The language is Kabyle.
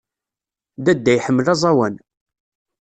Dadda iḥemmel aẓawan.